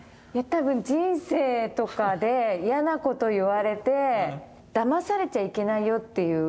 多分人生とかで嫌なこと言われてだまされちゃいけないよっていう。